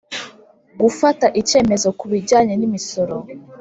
Gufata icyemezo ku bijyanye n imisoro